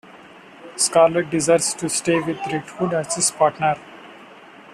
Scarlet desires to stay with Red Hood as his partner.